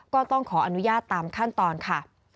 ก็ต้องขออนุญาตตามขั้นตอนค่ะ